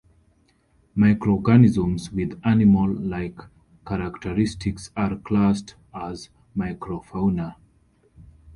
Microorganisms with animal-like characteristics are classed as microfauna.